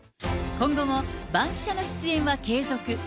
今後もバンキシャの出演は継続。